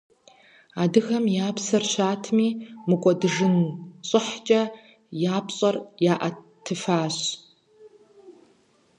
Адыгэхэм я псэр щатми, мыкӀуэдыжын щӀыхькӀэ я пщӀэр яӀэтыфащ.